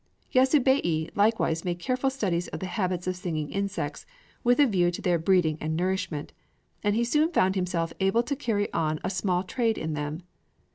Yasubei likewise made careful study of the habits of singing insects, with a view to their breeding and nourishment; and he soon found himself able to carry on a small trade in them.